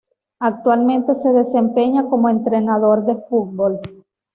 Actualmente se desempeña como entrenador de fútbol.